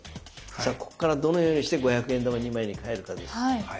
じゃあここからどのようにして５００円玉２枚に変えるかです。